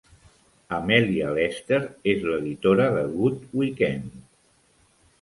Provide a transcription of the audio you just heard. Amelia Lester és l'editora de "Good Weekend".